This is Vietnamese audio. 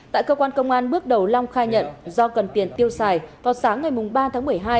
tại cơ quan công an bước đầu long khai nhận do cần tiền tiêu xài vào sáng ngày ba tháng một mươi hai